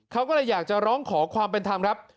เขาก็เลยอยากจะร้องขอความเป็นธรรมครับ